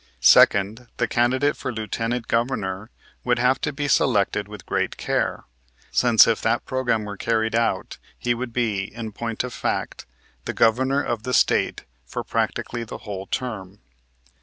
Second, the candidate for Lieutenant Governor would have to be selected with great care, since if that program were carried out he would be, in point of fact, the Governor of the State for practically the whole term.